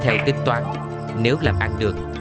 theo tính toán nếu làm ăn được